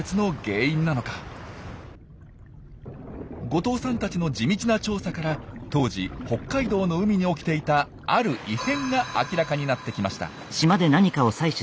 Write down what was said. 後藤さんたちの地道な調査から当時北海道の海に起きていたある異変が明らかになってきました。